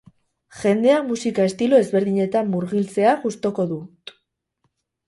Jendea musika estilo ezberdinetan murgiltzea gustoko dut.